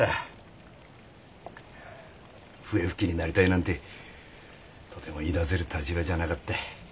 笛吹きになりたいなんてとても言いだせる立場じゃなかった。